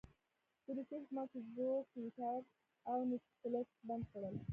د روسيې حکومت فیسبوک، ټویټر او نیټفلکس بند کړل.